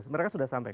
mereka sudah sampaikan